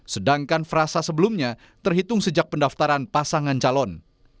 sedangkan frasa sebelumnya terhitung sejak pendaftaran pasangan calon